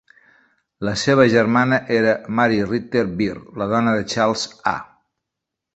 La seva germana era Mary Ritter Beard, la dona de Charles A.